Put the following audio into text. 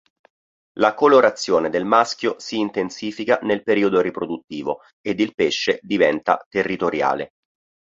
La colorazione del maschio si intensifica nel periodo riproduttivo, ed il pesce diventa territoriale.